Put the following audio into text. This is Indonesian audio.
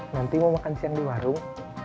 nanti mau makan siang di warung